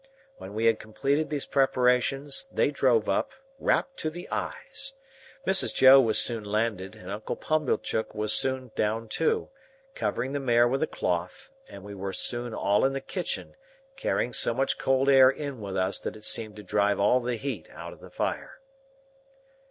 When we had completed these preparations, they drove up, wrapped to the eyes. Mrs. Joe was soon landed, and Uncle Pumblechook was soon down too, covering the mare with a cloth, and we were soon all in the kitchen, carrying so much cold air in with us that it seemed to drive all the heat out of the fire.